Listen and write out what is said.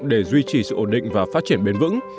để duy trì sự ổn định và phát triển bền vững